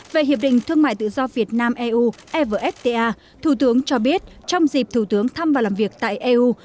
về hiệp định thương mại tự do việt nam eu evfta thủ tướng cho biết trong dịp thủ tướng thăm và làm việc tại eu